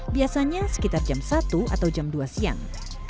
biasanya sekitar jam satu atau jam dua siang